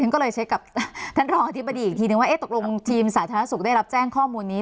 ก็เลยเช็คกับท่านรองอธิบดีอีกทีนึงว่าตกลงทีมสาธารณสุขได้รับแจ้งข้อมูลนี้